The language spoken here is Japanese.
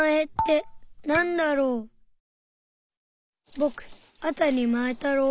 ぼくあたりまえたろう。